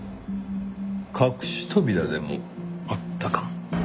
隠し扉でもあったかも。